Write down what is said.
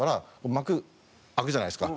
幕開くじゃないですか。